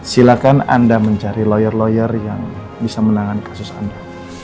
silahkan anda mencari lawyer lawyer yang bisa menangani kasus anda